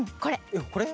これ。